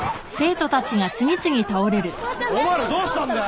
お前らどうしたんだよ？